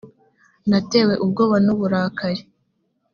natewe ubwoba n uburakari